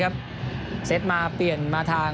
ส่วนที่สุดท้ายส่วนที่สุดท้าย